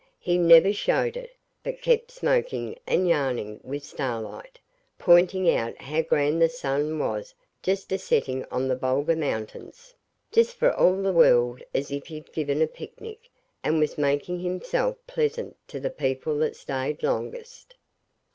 He never showed it, but kept smoking and yarning with Starlight, pointing out how grand the sun was just a setting on the Bulga Mountains just for all the world as if he'd given a picnic, and was making himself pleasant to the people that stayed longest.